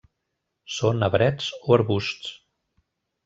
Són arbrets o arbusts.